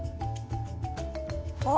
あ。